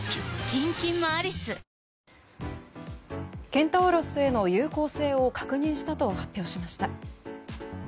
ケンタウロスへの有効性を確認したと発表しました。